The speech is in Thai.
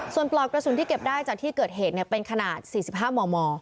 ส่วนปลอกกระสุนที่เก็บได้จากที่เกิดเหตุเป็นขนาด๔๕มม